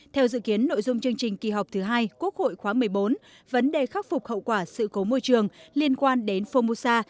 theo dự kiến nội dung chương trình kỳ họp thứ hai quốc hội khóa một mươi bốn vấn đề khắc phục hậu quả sự cố môi trường liên quan đến formusa